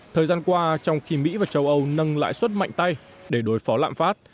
thời gian qua trong khi mỹ và châu âu nâng lãi suất mạnh tay để đối phó lạm phát